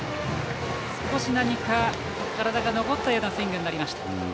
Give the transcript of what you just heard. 少し、体が残ったようなスイングになりました。